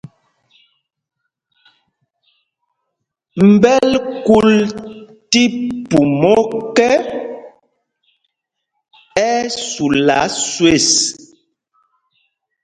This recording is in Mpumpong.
Mbɛ̂l kúl tí pum ɔ́kɛ, ɛ́ ɛ́ sula swes.